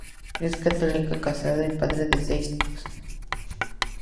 Es católico, casado y padre de seis hijos.